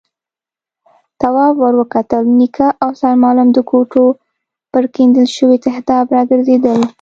تواب ور وکتل، نيکه او سرمعلم د کوټو پر کېندل شوي تهداب راګرځېدل.